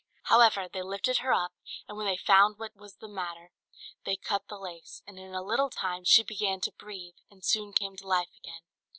However, they lifted her up, and when they found what was the matter, they cut the lace; and in a little time she began to breathe, and soon came to life again.